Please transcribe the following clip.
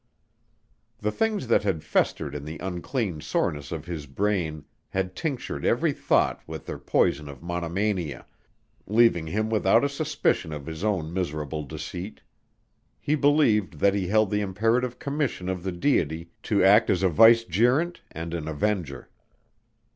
The things that had festered in the unclean soreness of his brain had tinctured every thought with their poison of monomania, leaving him without a suspicion of his own miserable deceit. He believed that he held the imperative commission of the Deity to act as a vicegerent and an avenger.